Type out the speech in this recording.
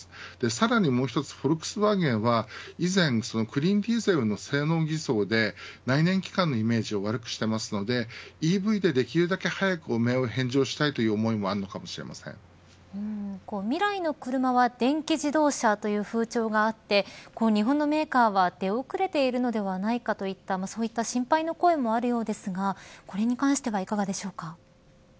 さらにもう１つフォルクスワーゲンは以前クリーンディーゼルの性能偽造で内燃機関のイメージを悪くしていますのでＥＶで、できるだけ早く汚名を返上したいという思いも未来の車は電気自動車という風潮があって日本のメーカーは出遅れているのではないかといったそういった心配の声もあるようですがこれに関してはいかがでしょうか。